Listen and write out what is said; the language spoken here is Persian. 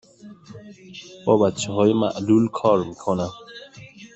با بچه های معلول کار می کنم.